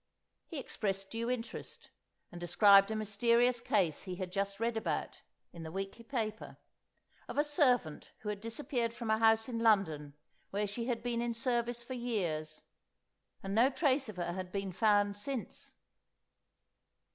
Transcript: He expressed due interest, and described a mysterious case he had just read about, in the weekly paper, of a servant who had disappeared from a house in London where she had been in service for years, and no trace of her had been found since.